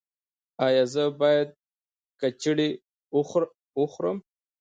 ایا زه باید کیچړي وخورم؟